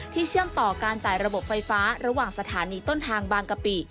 เชื่อมต่อการจ่ายระบบไฟฟ้าระหว่างสถานีต้นทางบางกะปิ